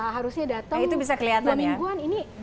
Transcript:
harusnya datang dua mingguan